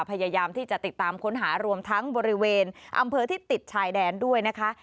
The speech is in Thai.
พยายามที่จะติดตามค้นหารวมทั้งบริเวณอำเภอที่ติดชายแดนด้วยนะคะ